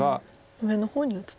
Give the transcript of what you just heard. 上の方に打つと。